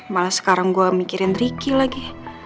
malah sekarang gue mikirin ricky lagi